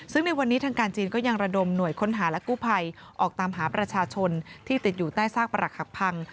ซึ่งในวันนี้ทางการจีนก็ยังระดมหน่วยค้นหาและกู้ภัยออกตามหาประชาชนที่ติดอยู่ใต้ซากประหลักหักพัง